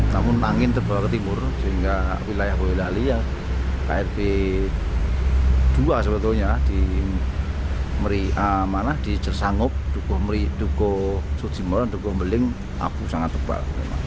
namun angin terbawa ke timur sehingga wilayah boyolali ya prp dua sebetulnya di jersanguk dukuh meri dukuh sujimoran dukuh meling abu sangat tebal